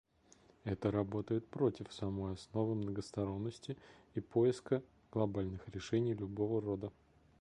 Это работает против самой основы многосторонности и поиска глобальных решений любого рода.